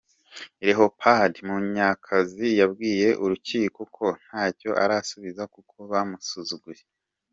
Leopold Munyakazi yabwiye urukiko ko ntacyo arusubiza kuko ‘bamusuzuguye’.